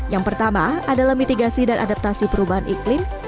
yang pertama adalah mitigasi dan adaptasi perubahan iklim